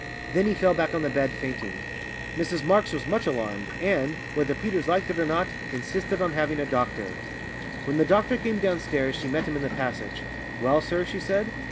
Then he fell back on the bed fainting. Mrs Marks was much alarmed, and whether Peters liked it or not insisted on having a doctor. When the doctor came downstairs she met him in the passage. "Well, sir?" she said.